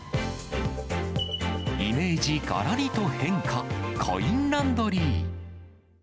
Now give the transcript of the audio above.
イメージがらりと変化、コインランドリー。